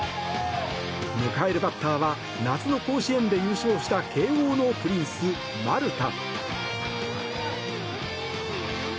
迎えるバッターは夏の甲子園で優勝した慶応のプリンス、丸田。